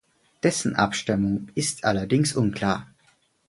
Dessen Abstammung ist allerdings unklar.